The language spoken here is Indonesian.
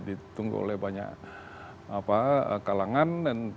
ditunggu oleh banyak kalangan